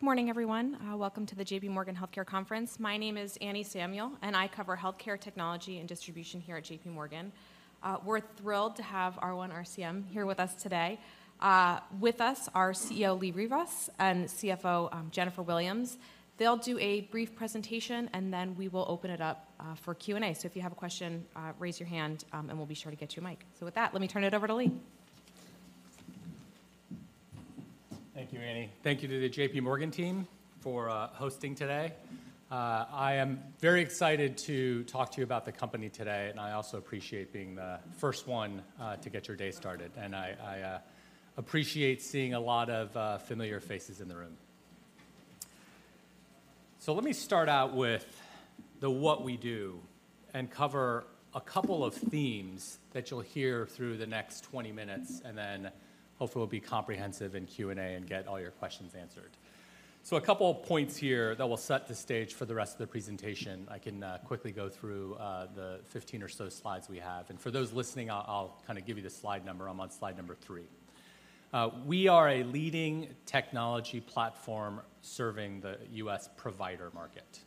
Good morning, everyone. Welcome to the J.P. Morgan Healthcare Conference. My name is Anne Samuel, and I cover healthcare technology and distribution here at J.P. Morgan. We're thrilled to have R1 RCM here with us today. With us are CEO Lee Rivas and CFO Jennifer Williams. They'll do a brief presentation, and then we will open it up for Q&A. If you have a question, raise your hand, and we'll be sure to get you a mic. With that, let me turn it over to Lee. Thank you, Annie. Thank you to the J.P. Morgan team for hosting today. I am very excited to talk to you about the company today, and I also appreciate being the first one to get your day started. I appreciate seeing a lot of familiar faces in the room. Let me start out with the what we do and cover a couple of themes that you'll hear through the next 20 minutes, and then hopefully we'll be comprehensive in Q&A and get all your questions answered. A couple of points here that will set the stage for the rest of the presentation. I can quickly go through the 15 or so slides we have. For those listening, I'll kinda give you the slide number. I'm on slide number 3. We are a leading technology platform serving the U.S. provider market.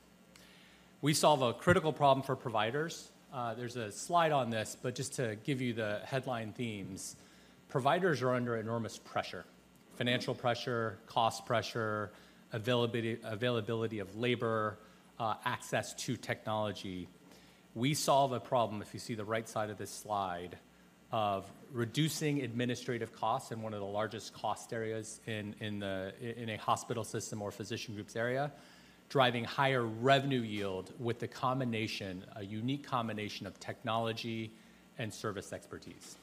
We solve a critical problem for providers. There's a slide on this, but just to give you the headline themes. Providers are under enormous pressure: financial pressure, cost pressure, availability of labor, access to technology. We solve a problem, if you see the right side of this slide, of reducing administrative costs in one of the largest cost areas in a hospital system or physician groups area, driving higher revenue yield with the combination, a unique combination of technology and service expertise.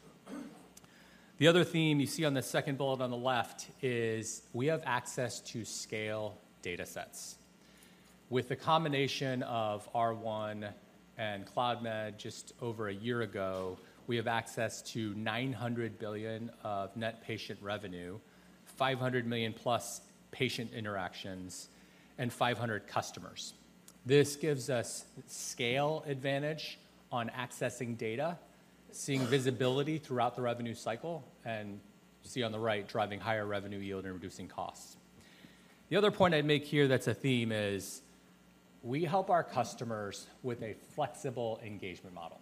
The other theme you see on the second bullet on the left is we have access to scale data sets. With the combination of R1 and Cloudmed just over a year ago, we have access to $900 billion of net patient revenue, 500 million+ patient interactions, and 500 customers. This gives us scale advantage on accessing data, seeing visibility throughout the revenue cycle, and you see on the right, driving higher revenue yield and reducing costs. The other point I'd make here that's a theme is, we help our customers with a flexible engagement model.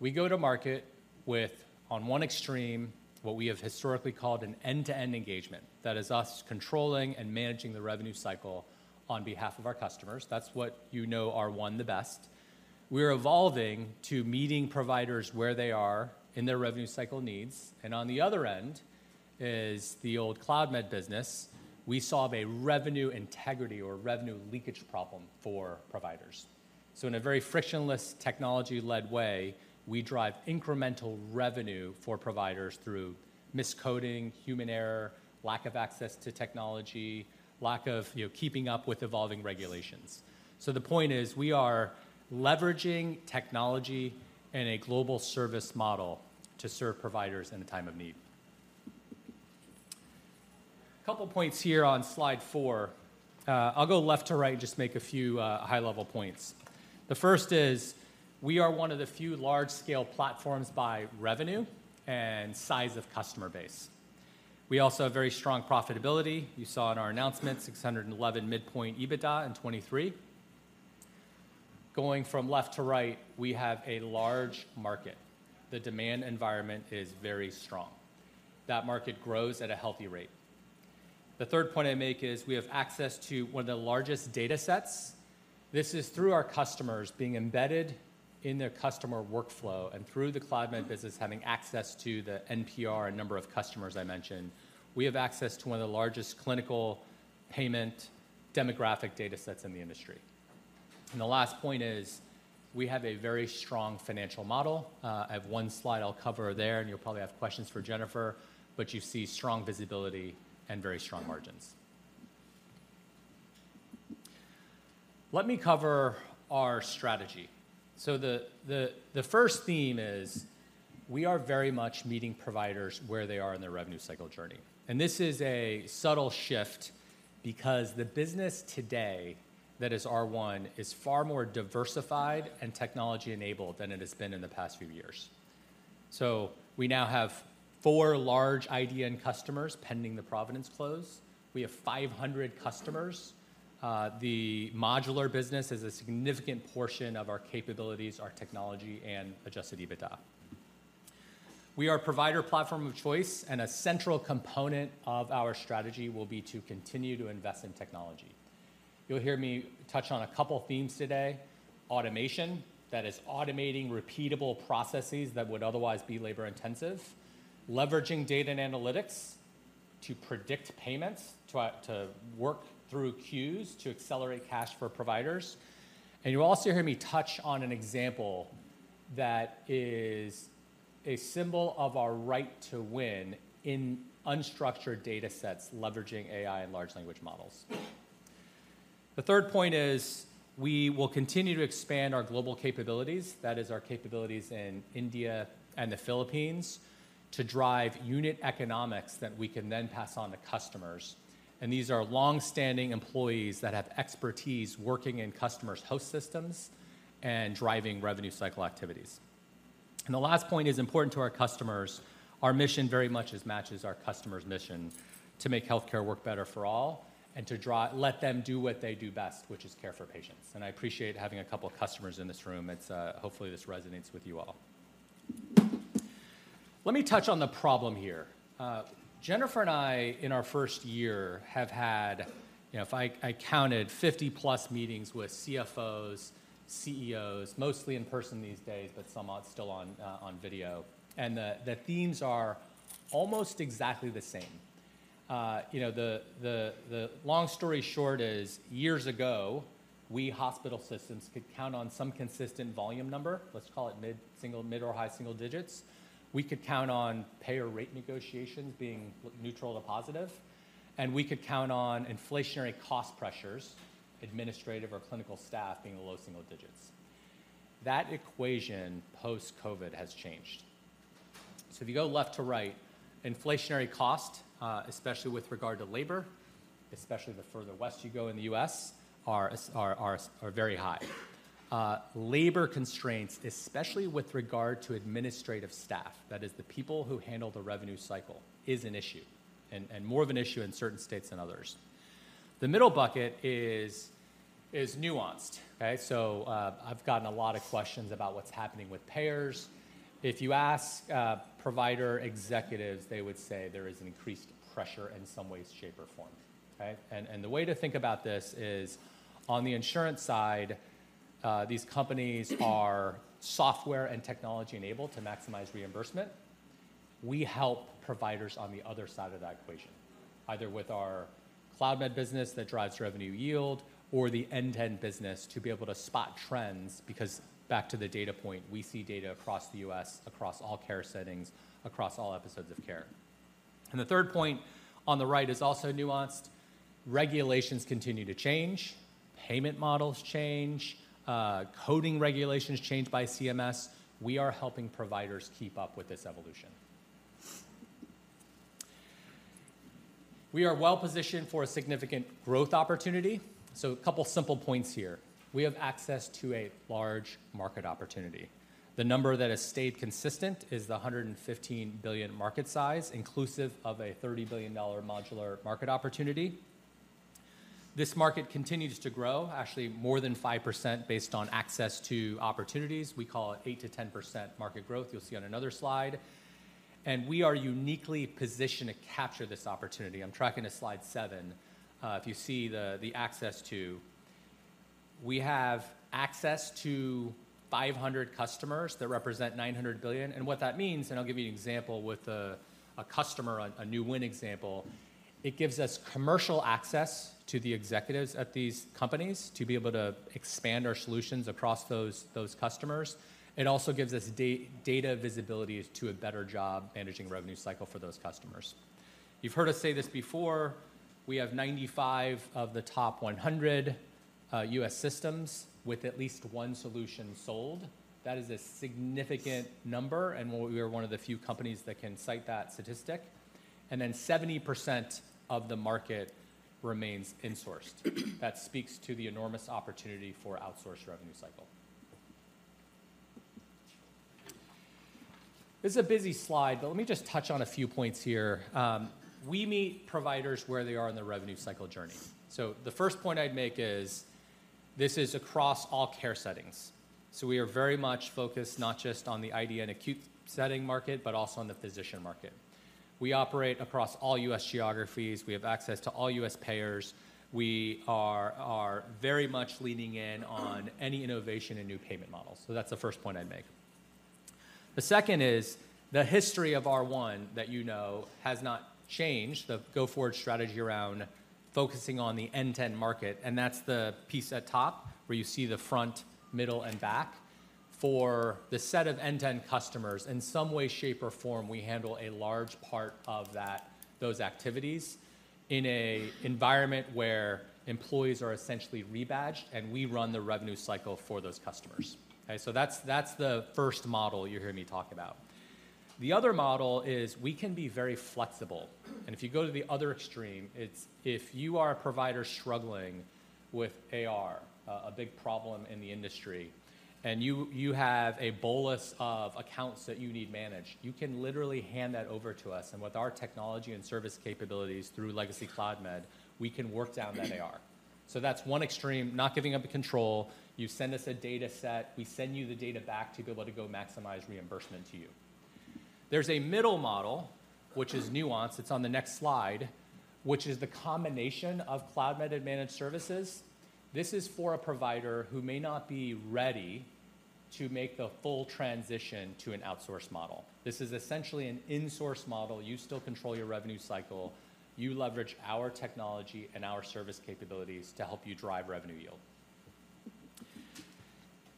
We go to market with, on one extreme, what we have historically called an end-to-end engagement. That is us controlling and managing the revenue cycle on behalf of our customers. That's what you know R1 the best. We're evolving to meeting providers where they are in their revenue cycle needs, and on the other end is the old Cloudmed business. We solve a revenue integrity or revenue leakage problem for providers. So in a very frictionless, technology-led way, we drive incremental revenue for providers through miscoding, human error, lack of access to technology, lack of, you know, keeping up with evolving regulations. So the point is, we are leveraging technology and a global service model to serve providers in a time of need. Couple points here on slide four. I'll go left to right and just make a few, high-level points. The first is, we are one of the few large-scale platforms by revenue and size of customer base. We also have very strong profitability. You saw in our announcement, $611 midpoint EBITDA in 2023. Going from left to right, we have a large market. The demand environment is very strong. That market grows at a healthy rate. The third point I make is we have access to one of the largest data sets. This is through our customers being embedded in their customer workflow, and through the Cloudmed business, having access to the NPR and number of customers I mentioned. We have access to one of the largest clinical payment demographic data sets in the industry. The last point is, we have a very strong financial model. I have one slide I'll cover there, and you'll probably have questions for Jennifer, but you see strong visibility and very strong margins. Let me cover our strategy. The first theme is, we are very much meeting providers where they are in their revenue cycle journey. This is a subtle shift because the business today that is R1 is far more diversified and technology-enabled than it has been in the past few years. So we now have 4 large IDN customers, pending the Providence close. We have 500 customers. The modular business is a significant portion of our capabilities, our technology, and adjusted EBITDA. We are a provider platform of choice, and a central component of our strategy will be to continue to invest in technology. You'll hear me touch on a couple themes today: automation, that is automating repeatable processes that would otherwise be labor-intensive; leveraging data and analytics to predict payments, to, to work through queues to accelerate cash for providers. And you'll also hear me touch on an example that is a symbol of our right to win in unstructured data sets, leveraging AI and large language models. The third point is, we will continue to expand our global capabilities, that is our capabilities in India and the Philippines, to drive unit economics that we can then pass on to customers. These are longstanding employees that have expertise working in customers' host systems and driving revenue cycle activities. The last point is important to our customers. Our mission very much matches our customers' mission: to make healthcare work better for all and let them do what they do best, which is care for patients. I appreciate having a couple of customers in this room. It's hopefully this resonates with you all. Let me touch on the problem here. Jennifer and I, in our first year, have had, you know, if I counted 50+ meetings with CFOs, CEOs, mostly in person these days, but some are still on video, and the themes are almost exactly the same. You know, the long story short is, years ago, we hospital systems could count on some consistent volume number, let's call it mid-single, mid- or high-single digits. We could count on payer rate negotiations being neutral to positive, and we could count on inflationary cost pressures, administrative or clinical staff being in the low single digits. That equation, post-COVID, has changed. So if you go left to right, inflationary cost, especially with regard to labor, especially the further west you go in the U.S., are very high. Labor constraints, especially with regard to administrative staff, that is the people who handle the revenue cycle, is an issue, and more of an issue in certain states than others. The middle bucket is nuanced. Okay? So, I've gotten a lot of questions about what's happening with payers. If you ask, provider executives, they would say there is an increased pressure in some way, shape, or form. Okay? And, and the way to think about this is, on the insurance side, these companies are software and technology-enabled to maximize reimbursement. We help providers on the other side of that equation, either with our Cloudmed business that drives revenue yield or the end-to-end business to be able to spot trends, because back to the data point, we see data across the U.S., across all care settings, across all episodes of care. And the third point on the right is also nuanced. Regulations continue to change, payment models change, coding regulations change by CMS. We are helping providers keep up with this evolution. We are well positioned for a significant growth opportunity. So a couple simple points here. We have access to a large market opportunity. The number that has stayed consistent is the $115 billion market size, inclusive of a $30 billion modular market opportunity. This market continues to grow, actually more than 5% based on access to opportunities. We call it 8%-10% market growth, you'll see on another slide. We are uniquely positioned to capture this opportunity. I'm tracking to slide seven. If you see the access to... We have access to 500 customers that represent $900 billion. And what that means, and I'll give you an example with a customer, a new win example, it gives us commercial access to the executives at these companies to be able to expand our solutions across those customers. It also gives us data visibility to a better job managing revenue cycle for those customers. You've heard us say this before, we have 95 of the top 100 U.S. systems with at least one solution sold. That is a significant number, and we are one of the few companies that can cite that statistic. Then 70% of the market remains insourced. That speaks to the enormous opportunity for outsourced revenue cycle. This is a busy slide, but let me just touch on a few points here. We meet providers where they are in their revenue cycle journey. So the first point I'd make is, this is across all care settings. So we are very much focused not just on the IDN and acute setting market, but also on the physician market. We operate across all U.S. geographies. We have access to all U.S. payers. We are very much leaning in on any innovation and new payment models. So that's the first point I'd make. The second is, the history of R1 that you know has not changed, the go-forward strategy around focusing on the end-to-end market, and that's the piece at top, where you see the front, middle, and back. For the set of end-to-end customers, in some way, shape, or form, we handle a large part of that, those activities in an environment where employees are essentially rebadged, and we run the revenue cycle for those customers. Okay, so that's the first model you'll hear me talk about. The other model is we can be very flexible, and if you go to the other extreme, it's if you are a provider struggling with AR, a big problem in the industry, and you, you have a bolus of accounts that you need managed, you can literally hand that over to us, and with our technology and service capabilities through legacy Cloudmed, we can work down that AR. So that's one extreme, not giving up the control. You send us a data set, we send you the data back to be able to go maximize reimbursement to you. There's a middle model, which is nuanced, it's on the next slide, which is the combination of Cloudmed Managed Services. This is for a provider who may not be ready to make the full transition to an outsource model. This is essentially an insource model. You still control your revenue cycle. You leverage our technology and our service capabilities to help you drive revenue yield.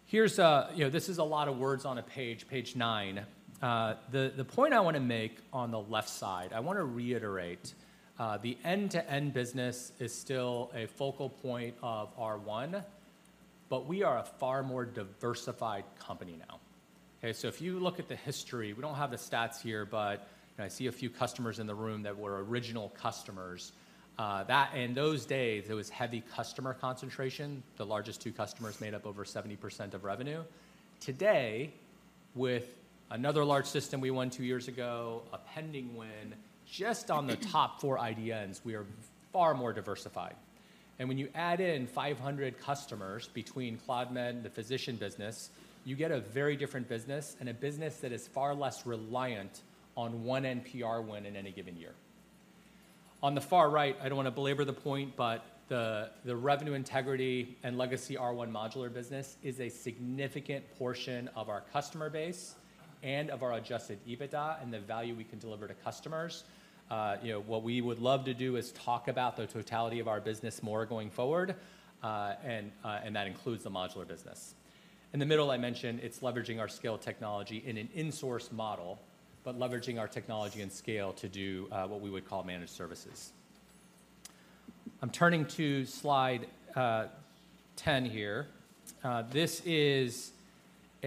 Here's, you know, this is a lot of words on a page, page nine. The point I wanna make on the left side, I wanna reiterate, the end-to-end business is still a focal point of R1, but we are a far more diversified company now. Okay? So if you look at the history, we don't have the stats here, but I see a few customers in the room that were original customers. That in those days, there was heavy customer concentration. The largest two customers made up over 70% of revenue. Today with another large system we won two years ago, a pending win, just on the top four IDNs, we are far more diversified. When you add in 500 customers between Cloudmed and the physician business, you get a very different business, and a business that is far less reliant on one NPR win in any given year. On the far right, I don't wanna belabor the point, but the revenue integrity and legacy R1 modular business is a significant portion of our customer base and of our adjusted EBITDA and the value we can deliver to customers. You know, what we would love to do is talk about the totality of our business more going forward, and that includes the modular business. In the middle, I mentioned it's leveraging our scale technology in an insourced model, but leveraging our technology and scale to do what we would call managed services. I'm turning to slide 10 here. This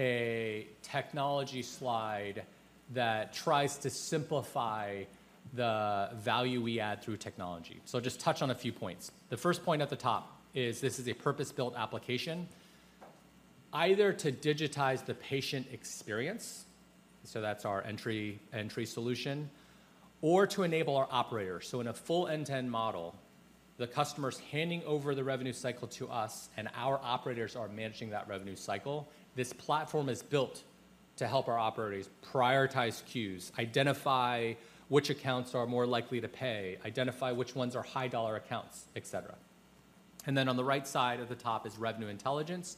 is a technology slide that tries to simplify the value we add through technology. So just touch on a few points. The first point at the top is this is a purpose-built application, either to digitize the patient experience, so that's our Entri solution, or to enable our operators. So in a full end-to-end model, the customer's handing over the revenue cycle to us, and our operators are managing that revenue cycle. This platform is built to help our operators prioritize queues, identify which accounts are more likely to pay, identify which ones are high dollar accounts, etc. And then on the right side at the top is Revenue Intelligence.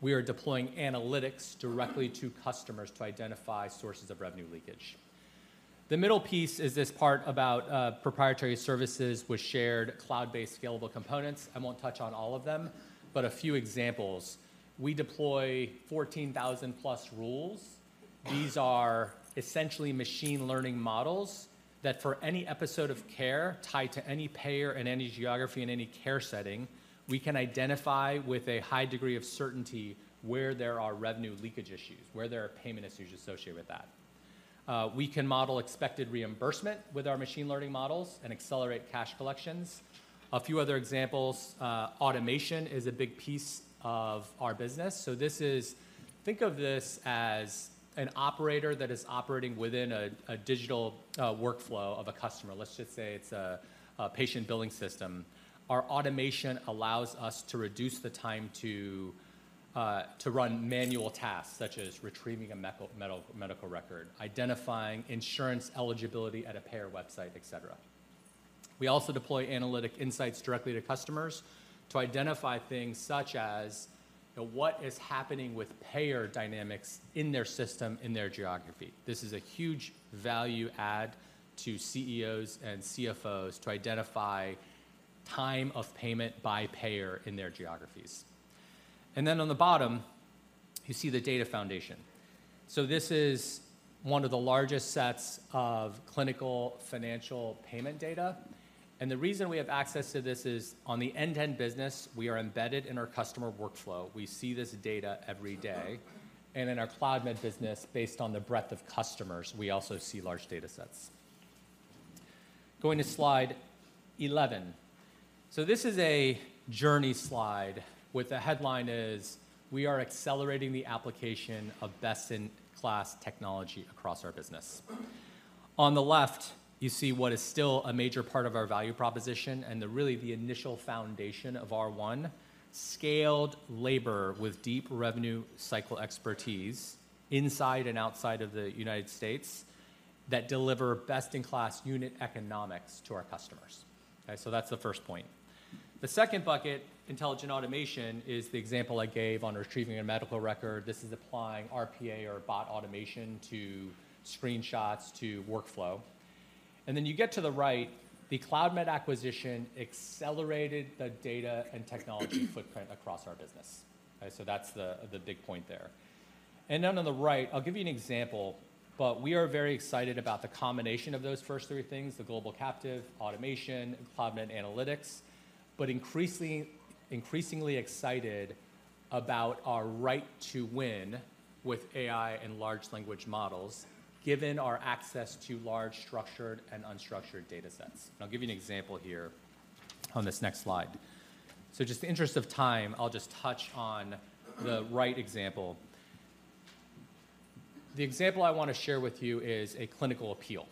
We are deploying analytics directly to customers to identify sources of revenue leakage. The middle piece is this part about proprietary services with shared cloud-based scalable components. I won't touch on all of them, but a few examples. We deploy 14,000+ rules. These are essentially machine learning models that for any episode of care tied to any payer in any geography in any care setting, we can identify with a high degree of certainty where there are revenue leakage issues, where there are payment issues associated with that. We can model expected reimbursement with our machine learning models and accelerate cash collections. A few other examples, automation is a big piece of our business. So this is: think of this as an operator that is operating within a digital workflow of a customer. Let's just say it's a patient billing system. Our automation allows us to reduce the time to run manual tasks such as retrieving a medical record, identifying insurance eligibility at a payer website, etc. We also deploy analytic insights directly to customers to identify things such as, you know, what is happening with payer dynamics in their system, in their geography. This is a huge value add to CEOs and CFOs to identify time of payment by payer in their geographies. And then on the bottom, you see the data foundation. So this is one of the largest sets of clinical financial payment data, and the reason we have access to this is on the end-to-end business, we are embedded in our customer workflow. We see this data every day, and in our Cloudmed business, based on the breadth of customers, we also see large datasets. Going to slide 11. So this is a journey slide, with the headline is: We are accelerating the application of best-in-class technology across our business. On the left, you see what is still a major part of our value proposition and really the initial foundation of R1, scaled labor with deep revenue cycle expertise inside and outside of the United States that deliver best-in-class unit economics to our customers. Okay, so that's the first point. The second bucket, intelligent automation, is the example I gave on retrieving a medical record. This is applying RPA or bot automation to screenshots, to workflow. And then you get to the right, the Cloudmed acquisition accelerated the data and technology footprint across our business. Okay, so that's the big point there. And then on the right, I'll give you an example, but we are very excited about the combination of those first three things, the global captive, automation, and Cloudmed analytics, but increasingly, increasingly excited about our right to win with AI and large language models, given our access to large structured and unstructured datasets. And I'll give you an example here on this next slide. So just in the interest of time, I'll just touch on the right example. The example I want to share with you is a clinical appeal.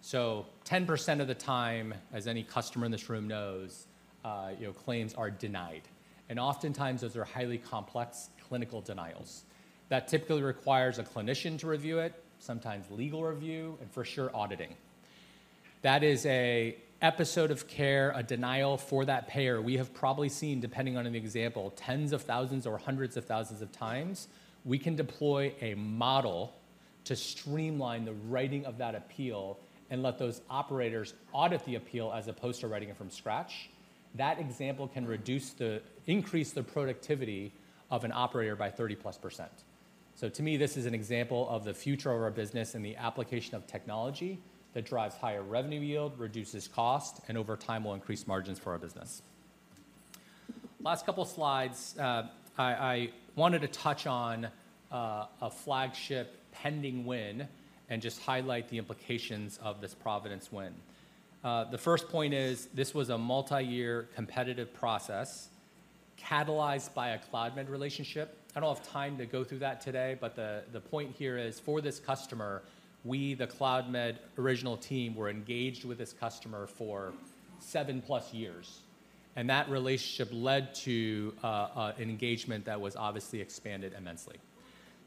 So 10% of the time, as any customer in this room knows, you know, claims are denied, and oftentimes, those are highly complex clinical denials. That typically requires a clinician to review it, sometimes legal review, and for sure, auditing. That is an episode of care, a denial for that payer. We have probably seen, depending on the example, tens of thousands or hundreds of thousands of times. We can deploy a model to streamline the writing of that appeal and let those operators audit the appeal as opposed to writing it from scratch. That example can increase the productivity of an operator by 30%+. So to me, this is an example of the future of our business and the application of technology that drives higher revenue yield, reduces cost, and over time, will increase margins for our business. Last couple slides. I wanted to touch on a flagship pending win and just highlight the implications of this Providence win. The first point is this was a multiyear competitive process catalyzed by a Cloudmed relationship. I don't have time to go through that today, but the point here is, for this customer, we, the Cloudmed original team, were engaged with this customer for 7+ years, and that relationship led to an engagement that was obviously expanded immensely.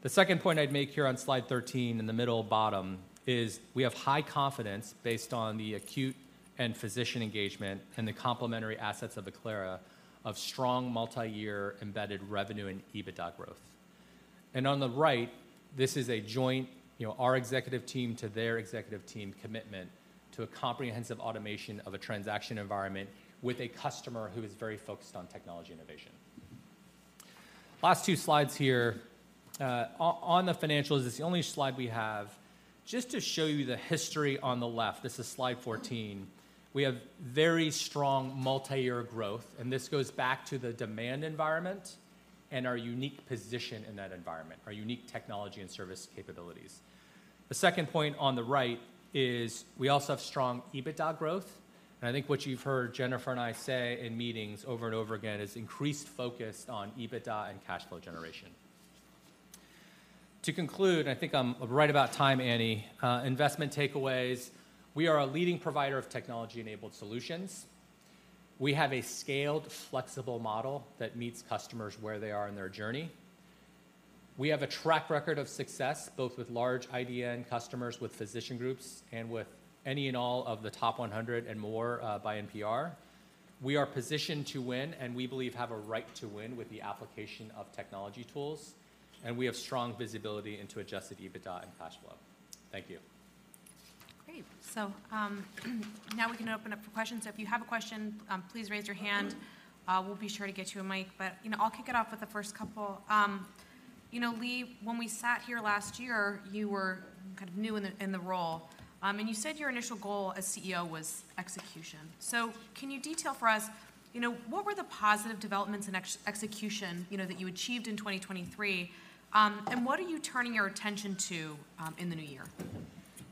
The second point I'd make here on slide 13, in the middle bottom, is we have high confidence, based on the acute and physician engagement and the complementary assets of Acclara, of strong multi-year embedded revenue and EBITDA growth. And on the right, this is a joint, you know, our executive team to their executive team commitment to a comprehensive automation of a transaction environment with a customer who is very focused on technology innovation. Last two slides here. On the financials, it's the only slide we have. Just to show you the history on the left, this is slide 14. We have very strong multi-year growth, and this goes back to the demand environment and our unique position in that environment, our unique technology and service capabilities. The second point on the right is we also have strong EBITDA growth, and I think what you've heard Jennifer and I say in meetings over and over again is increased focus on EBITDA and cash flow generation. To conclude, I think I'm right about time, Anne. Investment takeaways: We are a leading provider of technology-enabled solutions. We have a scaled, flexible model that meets customers where they are in their journey. We have a track record of success, both with large IDN customers, with physician groups, and with any and all of the top 100 and more by NPR. We are positioned to win, and we believe have a right to win with the application of technology tools, and we have strong visibility into adjusted EBITDA and cash flow. Thank you. Great. Now we can open up for questions. If you have a question, please raise your hand. We'll be sure to get you a mic, but, you know, I'll kick it off with the first couple. You know, Lee, when we sat here last year, you were kind of new in the role, and you said your initial goal as CEO was execution. Can you detail for us, you know, what were the positive developments and execution, you know, that you achieved in 2023, and what are you turning your attention to in the new year?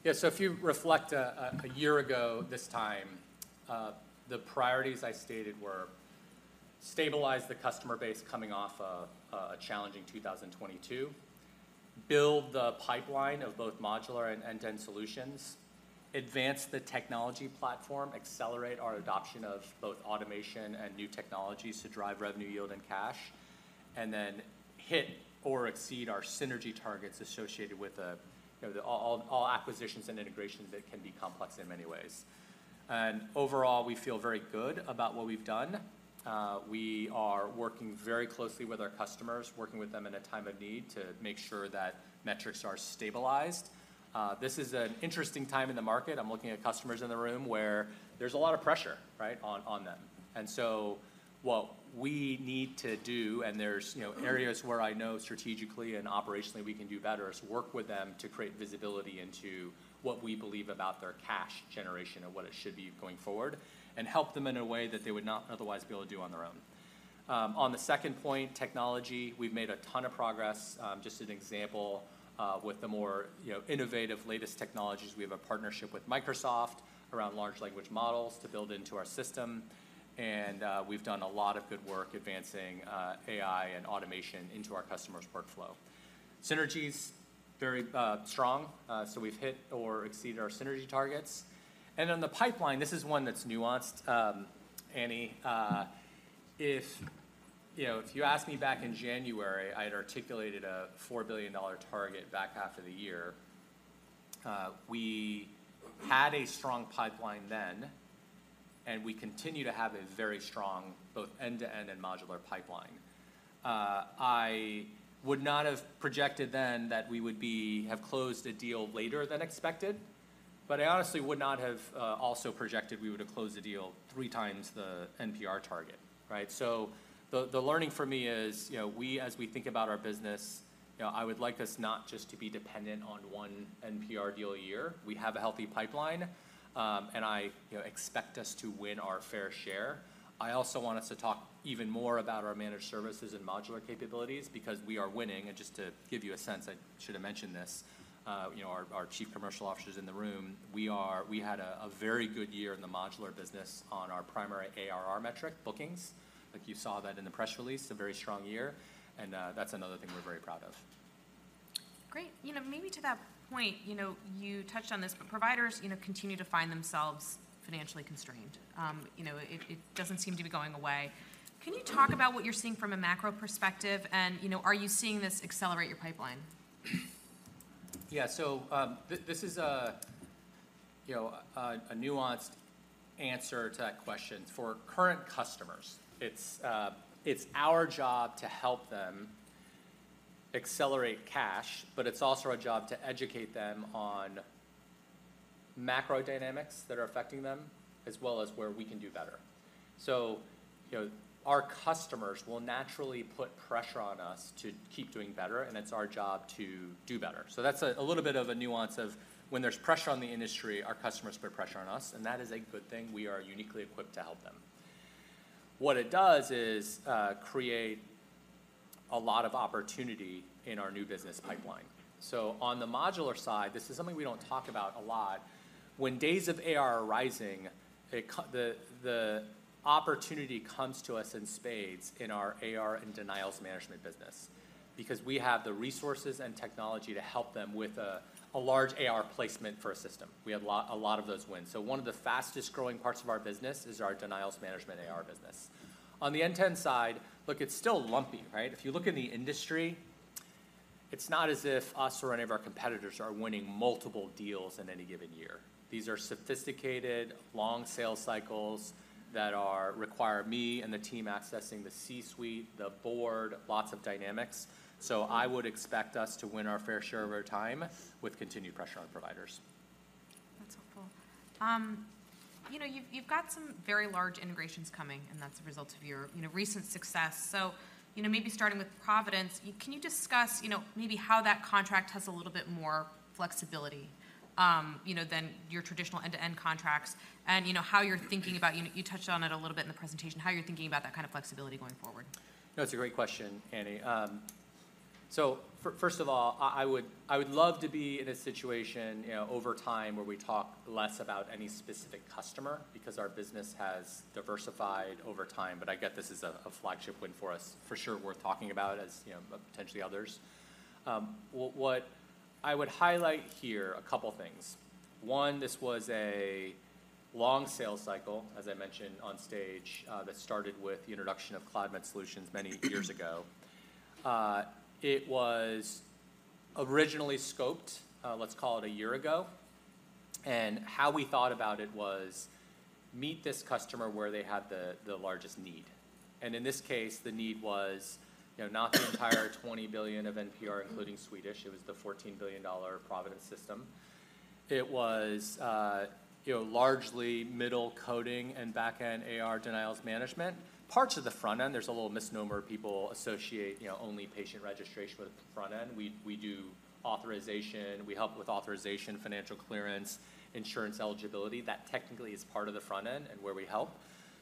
Yeah. So if you reflect, a year ago this time, the priorities I stated were: stabilize the customer base coming off of a challenging 2022; build the pipeline of both modular and end-to-end solutions; advance the technology platform; accelerate our adoption of both automation and new technologies to drive revenue yield and cash; and then hit or exceed our synergy targets associated with the, you know, the all acquisitions and integrations that can be complex in many ways. And overall, we feel very good about what we've done. We are working very closely with our customers, working with them in a time of need to make sure that metrics are stabilized. This is an interesting time in the market. I'm looking at customers in the room where there's a lot of pressure, right, on them. What we need to do, and there's, you know, areas where I know strategically and operationally we can do better, is work with them to create visibility into what we believe about their cash generation and what it should be going forward, and help them in a way that they would not otherwise be able to do on their own. On the second point, technology, we've made a ton of progress. Just an example, with the more, you know, innovative latest technologies, we have a partnership with Microsoft around large language models to build into our system, and we've done a lot of good work advancing AI and automation into our customers' workflow. Synergies very strong, so we've hit or exceeded our synergy targets. The pipeline, this is one that's nuanced, Anne. If, you know, if you asked me back in January, I had articulated a $4 billion target back half of the year. We had a strong pipeline then, and we continue to have a very strong both end-to-end and modular pipeline. I would not have projected then that we would have closed a deal later than expected, but I honestly would not have also projected we would have closed a deal 3 times the NPR target, right? So the learning for me is, you know, we, as we think about our business, you know, I would like us not just to be dependent on one NPR deal a year. We have a healthy pipeline, and I, you know, expect us to win our fair share. I also want us to talk even more about our managed services and modular capabilities because we are winning. And just to give you a sense, I should have mentioned this, you know, our chief commercial officer is in the room. We had a very good year in the modular business on our primary ARR metric bookings. Like, you saw that in the press release, a very strong year, and that's another thing we're very proud of. Great. You know, maybe to that point, you know, you touched on this, but providers, you know, continue to find themselves financially constrained. You know, it doesn't seem to be going away. Can you talk about what you're seeing from a macro perspective, and, you know, are you seeing this accelerate your pipeline? Yeah. So, this is a, you know, a nuanced answer to that question. For current customers, it's, it's our job to help them accelerate cash, but it's also our job to educate them on macro dynamics that are affecting them, as well as where we can do better. So, you know, our customers will naturally put pressure on us to keep doing better, and it's our job to do better. So that's a little bit of a nuance of when there's pressure on the industry, our customers put pressure on us, and that is a good thing. We are uniquely equipped to help them. What it does is create a lot of opportunity in our new business pipeline. So on the modular side, this is something we don't talk about a lot. When days of AR are rising, the opportunity comes to us in spades in our AR and denials management business. Because we have the resources and technology to help them with a large AR placement for a system. We have a lot of those wins. So one of the fastest growing parts of our business is our denials management AR business. On the end-to-end side, look, it's still lumpy, right? If you look in the industry, it's not as if us or any of our competitors are winning multiple deals in any given year. These are sophisticated, long sales cycles that require me and the team accessing the C-suite, the board, lots of dynamics. So I would expect us to win our fair share over time with continued pressure on providers. That's helpful. You know, you've got some very large integrations coming, and that's a result of your, you know, recent success. So, you know, maybe starting with Providence, you can discuss, you know, maybe how that contract has a little bit more flexibility, you know, than your traditional end-to-end contracts? And, you know, how you're thinking about... You touched on it a little bit in the presentation, how you're thinking about that kind of flexibility going forward. No, it's a great question, Annie. So first of all, I would love to be in a situation, you know, over time, where we talk less about any specific customer because our business has diversified over time. But I get this is a flagship win for us, for sure, worth talking about, as, you know, potentially others. What I would highlight here, a couple things. One, this was a long sales cycle, as I mentioned on stage, that started with the introduction of Cloudmed many years ago. It was originally scoped, let's call it a year ago. And how we thought about it was: meet this customer where they had the largest need. And in this case, the need was, you know, not the entire $20 billion of NPR, including Swedish. It was the $14 billion Providence system. It was, you know, largely middle coding and back-end AR denials management. Parts of the front end, there's a little misnomer. People associate, you know, only patient registration with the front end. We do authorization. We help with authorization, financial clearance, insurance eligibility. That technically is part of the front end and where we help.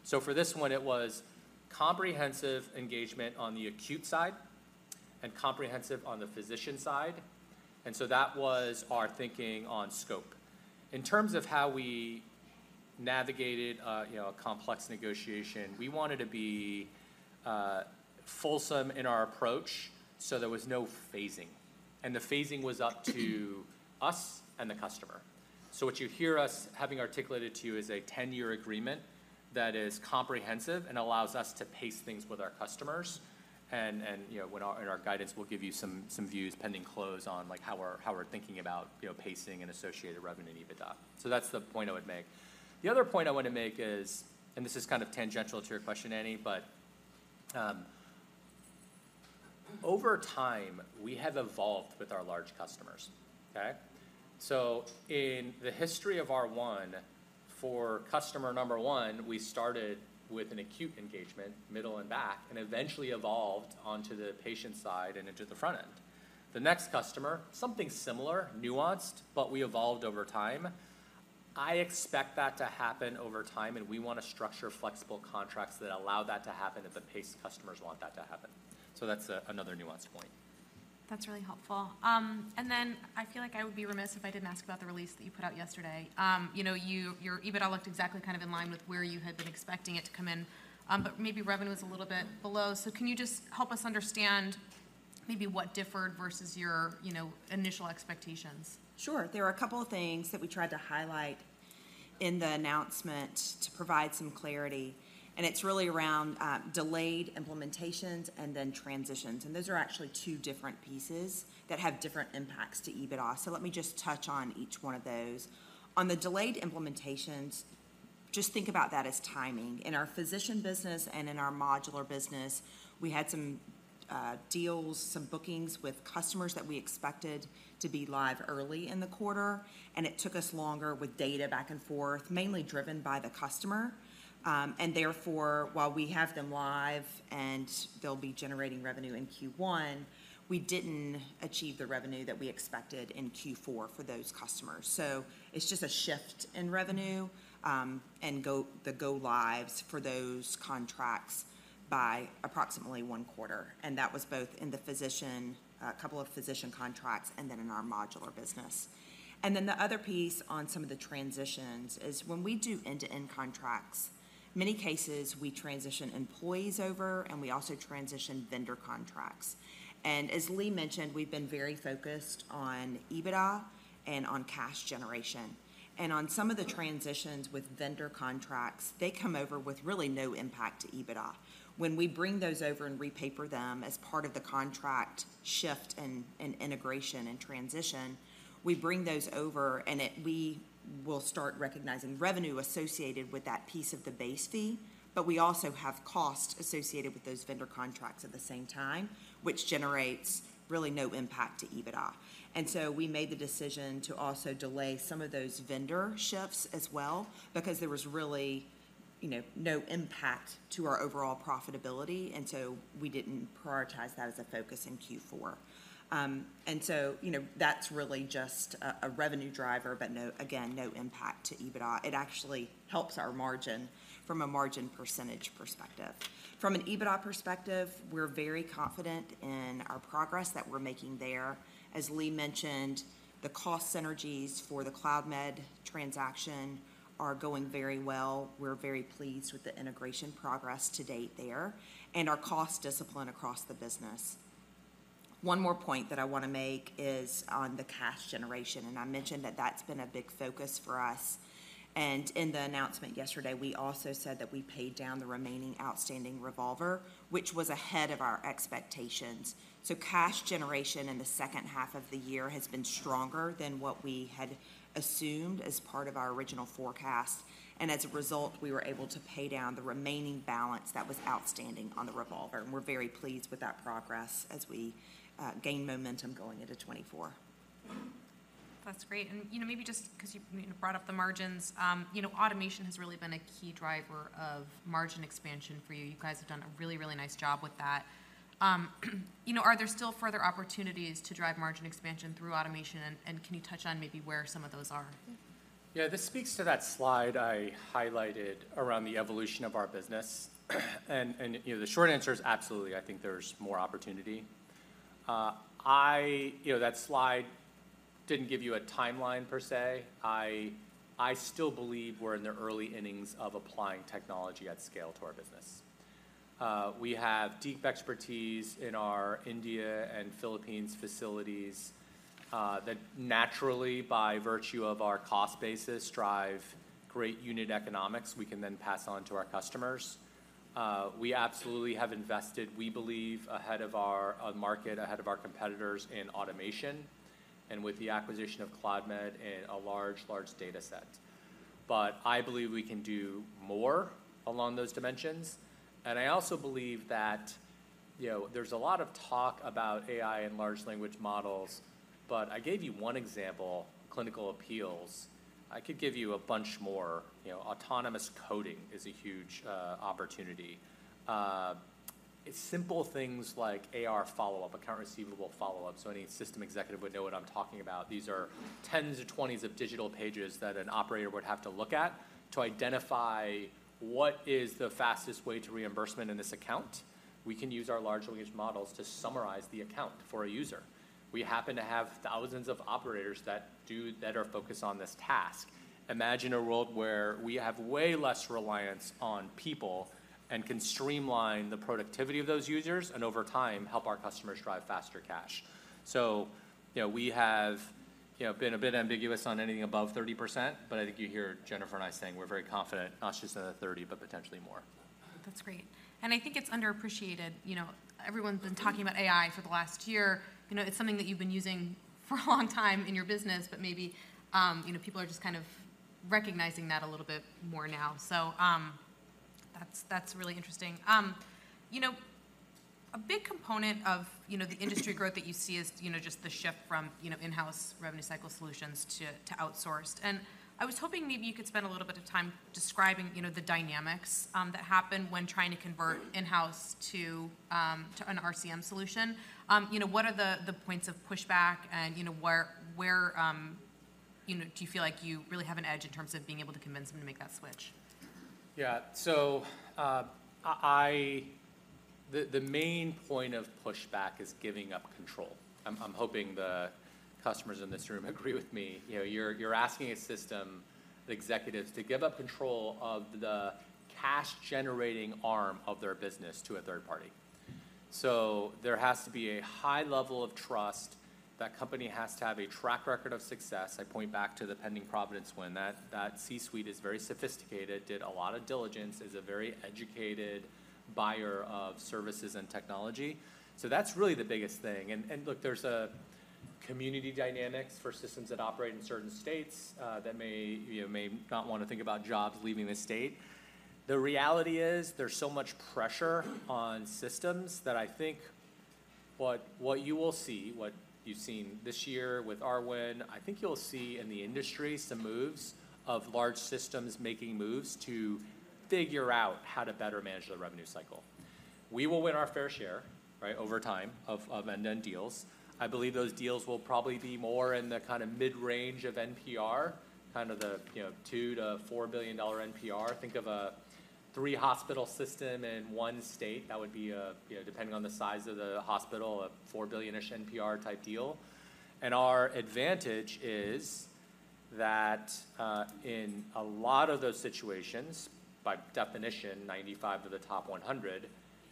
So for this one, it was comprehensive engagement on the acute side and comprehensive on the physician side, and so that was our thinking on scope. In terms of how we navigated, you know, a complex negotiation, we wanted to be fulsome in our approach, so there was no phasing, and the phasing was up to us and the customer. So what you hear us having articulated to you is a ten-year agreement that is comprehensive and allows us to pace things with our customers. And, you know, when in our guidance, we'll give you some views pending close on, like, how we're thinking about, you know, pacing and associated revenue and EBITDA. So that's the point I would make. The other point I want to make is, and this is kind of tangential to your question, Anne, but over time, we have evolved with our large customers, okay? So in the history of R1, for customer number one, we started with an acute engagement, middle and back, and eventually evolved onto the patient side and into the front end. The next customer, something similar, nuanced, but we evolved over time. I expect that to happen over time, and we want to structure flexible contracts that allow that to happen at the pace customers want that to happen. So that's another nuanced point. That's really helpful. Then I feel like I would be remiss if I didn't ask about the release that you put out yesterday. You know, you, your EBITDA looked exactly kind of in line with where you had been expecting it to come in, but maybe revenue was a little bit below. Can you just help us understand maybe what differed versus your, you know, initial expectations? Sure. There are a couple of things that we tried to highlight in the announcement to provide some clarity, and it's really around delayed implementations and then transitions. And those are actually two different pieces that have different impacts to EBITDA. So let me just touch on each one of those. On the delayed implementations, just think about that as timing. In our physician business and in our modular business, we had some deals, some bookings with customers that we expected to be live early in the quarter, and it took us longer with data back and forth, mainly driven by the customer. And therefore, while we have them live and they'll be generating revenue in Q1, we didn't achieve the revenue that we expected in Q4 for those customers. So it's just a shift in revenue, and the go-lives for those contracts by approximately one quarter, and that was both in the physician, a couple of physician contracts, and then in our modular business. And then the other piece on some of the transitions is when we do end-to-end contracts, many cases, we transition employees over, and we also transition vendor contracts. And as Lee mentioned, we've been very focused on EBITDA and on cash generation. And on some of the transitions with vendor contracts, they come over with really no impact to EBITDA. When we bring those over and repaper them as part of the contract shift and integration and transition, we bring those over, and we will start recognizing revenue associated with that piece of the base fee, but we also have costs associated with those vendor contracts at the same time, which generates really no impact to EBITDA. And so we made the decision to also delay some of those vendor shifts as well, because there was really, you know, no impact to our overall profitability, and so we didn't prioritize that as a focus in Q4. And so, you know, that's really just a revenue driver, but no, again, no impact to EBITDA. It actually helps our margin from a margin percentage perspective. From an EBITDA perspective, we're very confident in our progress that we're making there. As Lee mentioned, the cost synergies for the Cloudmed transaction are going very well. We're very pleased with the integration progress to date there and our cost discipline across the business. One more point that I wanna make is on the cash generation, and I mentioned that that's been a big focus for us. And in the announcement yesterday, we also said that we paid down the remaining outstanding revolver, which was ahead of our expectations. So cash generation in the second half of the year has been stronger than what we had assumed as part of our original forecast, and as a result, we were able to pay down the remaining balance that was outstanding on the revolver, and we're very pleased with that progress as we gain momentum going into 2024. That's great. You know, maybe just 'cause you, you know, brought up the margins, you know, automation has really been a key driver of margin expansion for you. You guys have done a really, really nice job with that. You know, are there still further opportunities to drive margin expansion through automation, and, and can you touch on maybe where some of those are? Yeah, this speaks to that slide I highlighted around the evolution of our business. And you know, the short answer is absolutely. I think there's more opportunity. You know, that slide didn't give you a timeline per se. I still believe we're in the early innings of applying technology at scale to our business. We have deep expertise in our India and Philippines facilities that naturally, by virtue of our cost basis, drive great unit economics we can then pass on to our customers. We absolutely have invested, we believe, ahead of our market, ahead of our competitors in automation, and with the acquisition of Cloudmed in a large data set. But I believe we can do more along those dimensions, and I also believe that, you know, there's a lot of talk about AI and large language models, but I gave you one example, clinical appeals. I could give you a bunch more. You know, autonomous coding is a huge opportunity. It's simple things like AR follow-up, account receivable follow-up, so any system executive would know what I'm talking about. These are 10s or 20s of digital pages that an operator would have to look at to identify what is the fastest way to reimbursement in this account. We can use our large language models to summarize the account for a user. We happen to have thousands of operators that do that are focused on this task. Imagine a world where we have way less reliance on people and can streamline the productivity of those users, and over time, help our customers drive faster cash. So, you know, we have, you know, been a bit ambiguous on anything above 30%, but I think you hear Jennifer and I saying we're very confident, not just in the 30, but potentially more. That's great. And I think it's underappreciated. You know, everyone's been talking about AI for the last year. You know, it's something that you've been using for a long time in your business, but maybe, you know, people are just kind of recognizing that a little bit more now. So, that's, that's really interesting. You know, a big component of, you know, the industry growth that you see is, you know, just the shift from, you know, in-house revenue cycle solutions to, to outsourced. And I was hoping maybe you could spend a little bit of time describing, you know, the dynamics, that happen when trying to convert in-house to, to an RCM solution. You know, what are the points of pushback, and, you know, where do you feel like you really have an edge in terms of being able to convince them to make that switch? Yeah. So, the main point of pushback is giving up control. I'm hoping the customers in this room agree with me. You know, you're asking a system, the executives, to give up control of the cash-generating arm of their business to a third party. So there has to be a high level of trust. That company has to have a track record of success. I point back to the pending Providence win. That C-suite is very sophisticated, did a lot of diligence, is a very educated buyer of services and technology. So that's really the biggest thing. And look, there's a community dynamics for systems that operate in certain states, that may, you know, may not wanna think about jobs leaving the state. The reality is, there's so much pressure on systems that I think what, what you will see, what you've seen this year with our win, I think you'll see in the industry some moves of large systems making moves to figure out how to better manage their revenue cycle. We will win our fair share, right, over time, of, of end-to-end deals. I believe those deals will probably be more in the kinda mid-range of NPR, kind of the, you know, $2-4 billion NPR. Think of a three-hospital system in one state. That would be a, you know, depending on the size of the hospital, a $4 billion-ish NPR type deal. Our advantage is that, in a lot of those situations, by definition, 95 to the top 100,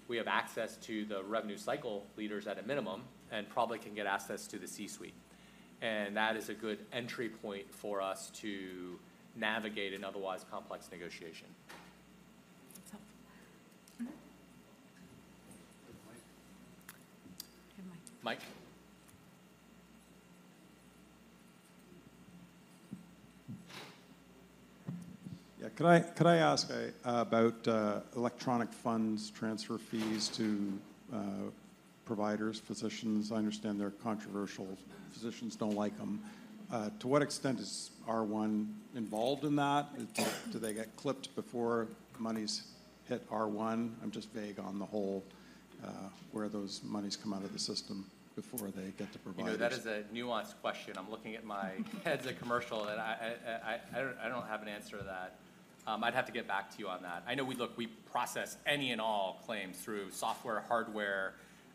we have access to the revenue cycle leaders at a minimum, and probably can get access to the C-suite. That is a good entry point for us to navigate an otherwise complex negotiation. So, mm-hmm. Mike. Hey, Mike. Mike? Yeah, could I ask about electronic funds transfer fees to providers, physicians? I understand they're controversial. Physicians don't like them. To what extent is R1 involved in that? Do they get clipped before monies hit R1? I'm just vague on the whole, where those monies come out of the system before they get to providers. You know, that is a nuanced question. I'm looking at my heads of commercial, and I don't have an answer to that. I'd have to get back to you on that. I know we—look, we process any and all claims through software, hardware,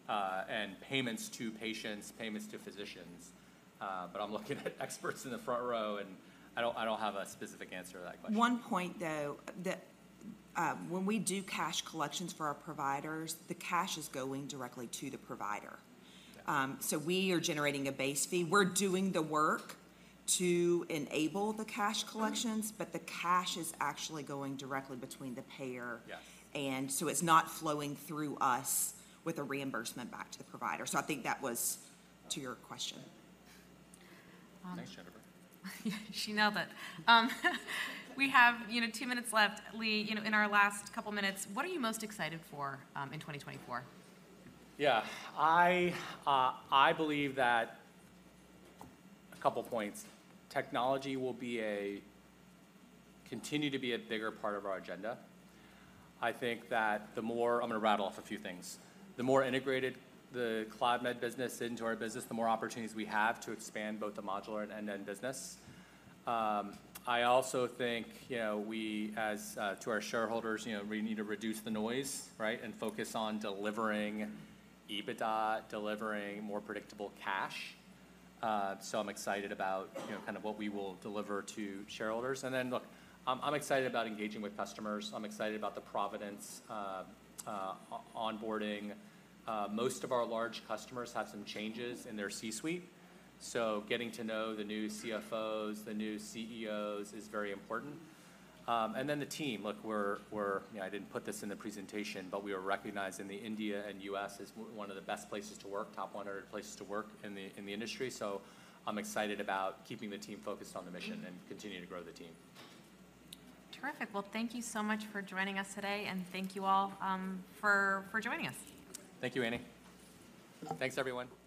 and payments to patients, payments to physicians. But I'm looking at experts in the front row, and I don't have a specific answer to that question. One point, though, that when we do cash collections for our providers, the cash is going directly to the provider. Yeah. So we are generating a base fee. We're doing the work to enable the cash collections but the cash is actually going directly between the payer- Yeah And so it's not flowing through us with a reimbursement back to the provider. So I think that was to your question. Thanks, Jennifer. She nailed it. We have, you know, two minutes left. Lee, you know, in our last couple minutes, what are you most excited for in 2024? Yeah. I believe that a couple points. Technology will continue to be a bigger part of our agenda. I think that the more—I'm gonna rattle off a few things. The more integrated the Cloudmed business into our business, the more opportunities we have to expand both the modular and end-to-end business. I also think, you know, we as to our shareholders, you know, we need to reduce the noise, right? And focus on delivering EBITDA, delivering more predictable cash. So I'm excited about, you know, kind of what we will deliver to shareholders. And then, look, I'm excited about engaging with customers. I'm excited about the Providence onboarding. Most of our large customers had some changes in their C-suite, so getting to know the new CFOs, the new CEOs, is very important. And then the team. Look, we're. You know, I didn't put this in the presentation, but we were recognized in India and the U.S. as one of the best places to work, top 100 places to work in the industry. So I'm excited about keeping the team focused on the mission and continuing to grow the team. Terrific. Well, thank you so much for joining us today, and thank you all for joining us. Thank you, Annie. Thanks, everyone. Thank you.